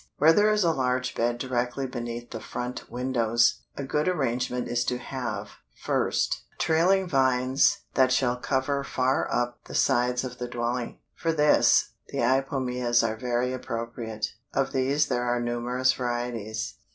Where there is a large bed directly beneath the front windows, a good arrangement is to have, first, trailing vines that shall cover far up the sides of the dwelling. For this, the Ipomoeas are very appropriate; of these there are numerous varieties.